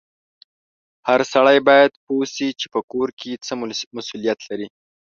هر سړی باید پوه سي چې په کور کې څه مسولیت لري